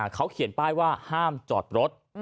เขาเขียนป้ายว่าห้ามจอดรถ